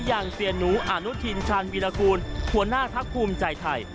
อย่างเสียหนูอนุทินชาญวีรกูลหัวหน้าพักภูมิใจไทย